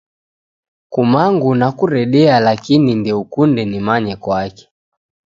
Kumangu nakuredea lakini ndeukunde nimanye kwake